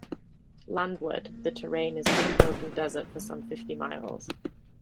Landward, the terrain is unbroken desert for some fifty miles.